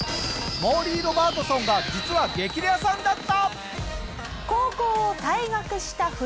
モーリー・ロバートソンが実は激レアさんだった！